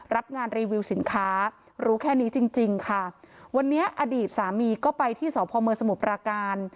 รับงานรีวิวสินค้ารู้แค่นี้จริงจริงค่ะวันนี้อดีตสามีก็ไปที่สพมสมุทรปราการ